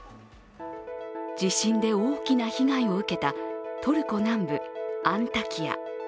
地震で大きな被害を受けたトルコ南部アンタキヤ。